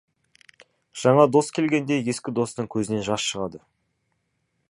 Жаңа дос келгенде, ескі достың көзінен жас шығады.